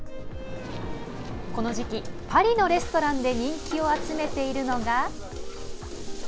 この時期、パリのレストランで人気を集めているのが。